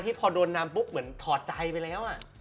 พอโดนนำปุ๊บเหมือนถอดใจไปแล้ว